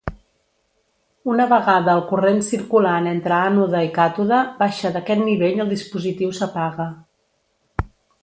Una vegada el corrent circulant entre ànode i càtode baixa d'aquest nivell el dispositiu s'apaga.